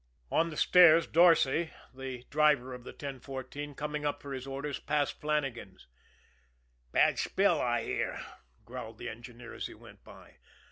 On the stairs, Dorsay, the driver of the 1014, coming up for his orders, passed Flannagan. "Bad spill, I hear," growled the engineer, as he went by.